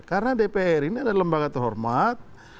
karena dpr ini adalah lembaga terhormat